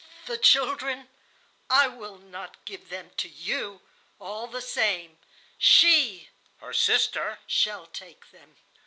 "'The children ... I will not give them to you ... all the same. ... She (her sister) shall take them.